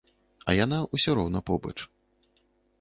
А яна ўсё роўна побач.